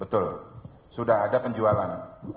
betul sudah ada penjualan